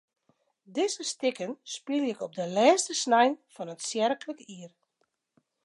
Dizze stikken spylje ik op de lêste snein fan it tsjerklik jier.